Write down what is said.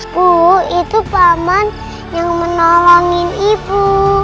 bu itu paman yang menolongin ibu